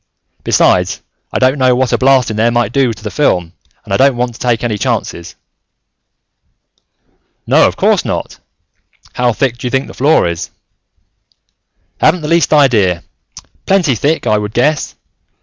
Besides, I don't know what a blast in there might do to the film, and I don't want to take any chances." "No, of course not. How thick do you think the floor is?" "Haven't the least idea. Plenty thick, I would guess.